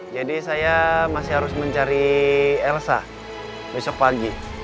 jadi saya masih harus mencari elsa besok pagi